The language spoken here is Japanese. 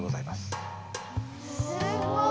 すごい！